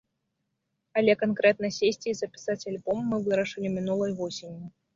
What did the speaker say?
Але канкрэтна сесці і запісаць альбом мы вырашылі мінулай восенню.